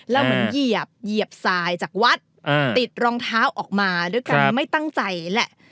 แล้วเหมือนเหยียบทรายจากวัดติดรองเท้าออกมาด้วยการไม่ตั้งใจแหละ